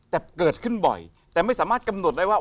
แต่เกิดขึ้นบ่อยแต่ไม่สามารถกำหนดได้ว่า